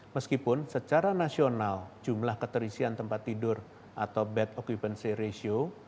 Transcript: meskipun secara nasional jumlah keterisian tempat tidur atau bed occupancy ratio